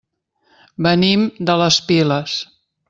Venim de les Piles.